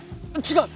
違う！